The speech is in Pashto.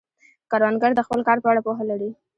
کروندګر د خپل کار په اړه پوهه لري